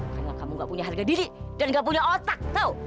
karena kamu nggak punya harga diri dan nggak punya otak tau